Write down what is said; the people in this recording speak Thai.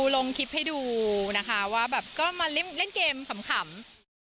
ลงคลิปให้ดูนะคะว่าแบบก็มาเล่นเกมขำ